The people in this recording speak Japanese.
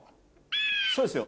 そうですよ。